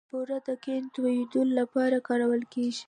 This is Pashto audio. بوره د قند تولیدولو لپاره کارول کېږي.